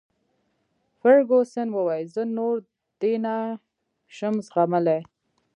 فرګوسن وویل: زه نور دی نه شم زغملای.